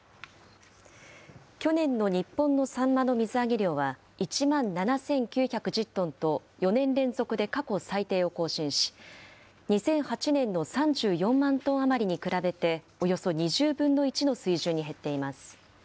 去年の日本のサンマの水揚げ量は１万７９１０トンと、４年連続で過去最低を更新し、２００８年の３４万トン余りに比べて、およそ２０分の１の水準に減っています。